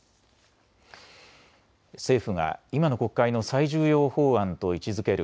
政府が今の国会の最重要法案と位置づける